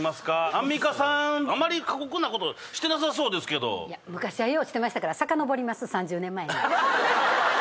アンミカさんあまり過酷なことしてなさそうですけどいや昔はようしてましたから３０年前！